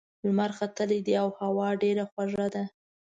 لمر ختلی دی او هوا ډېره خوږه ده.